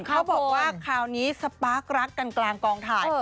เขาบอกว่าคราวนี้สปาร์ครักกันกลางกองถ่าย